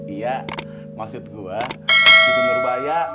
iya maksud gua siti nurubaya